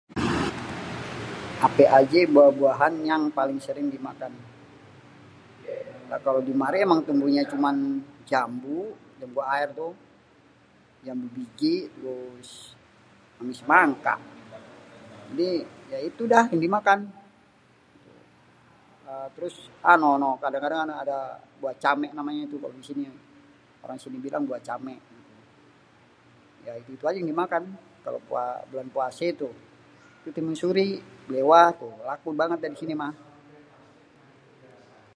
"""Apé ajé buah-buahan yang paling sering dimakan?"". Kalo di mari emang tumbuhnyé cuman jambu, jambu aér tu, jambu biji. Terus amé semangka. Jadi ya itu dah yang dimakan, terus a noh noh kadang-kadang ada buah camé namanya tuh. Orang sini bilang buah camé. Ya itu-itu aja yang dimakan. kalo bulan puasé tu timun suri, bléwah, tuh laku banget dah di sini mah."